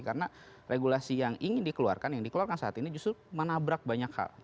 karena regulasi yang ingin dikeluarkan yang dikeluarkan saat ini justru menabrak banyak hal